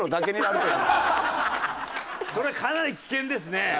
それはかなり危険ですね。